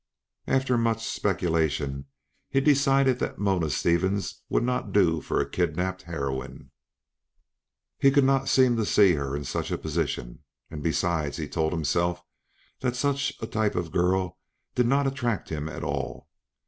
After much speculation he decided that Mona Stevens would not do for a kidnapped heroine. He could not seem to "see" her in such a position, and, besides, he told himself that such a type of girl did not attract him at all.